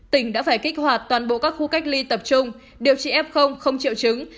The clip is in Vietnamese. tỉnh đã phải kích hoạt toàn bộ các khu cách ly tập trung điều trị f không triệu chứng